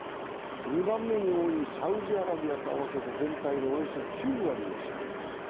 ２番目に多いサウジアラビアと合わせて全体のおよそ９割を占めます。